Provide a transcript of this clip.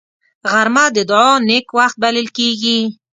غرمه د دعاو نېک وخت بلل کېږي